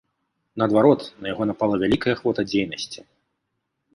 Наадварот, на яго напала вялікая ахвота дзейнасці.